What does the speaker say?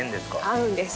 合うんです。